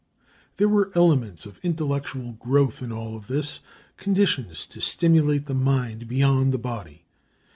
There were elements of intellectual growth in all this, conditions to stimulate the mind beyond the body.